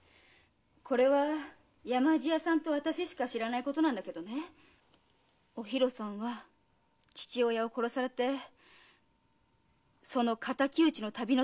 これは山路屋さんと私しか知らないことなんだけどねおひろさんは父親を殺されてその仇討ちの旅の途中なのよ。